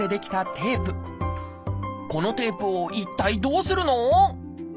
このテープを一体どうするの？